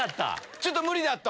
ちょっと無理だと。